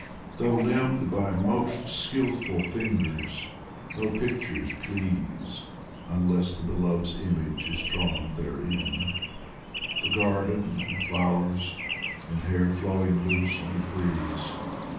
Though limned by most skilful fingers, no pictures please Unless the beloved's image is drawn therein ; The garden and flowers, and hair flowing loose on the breeze.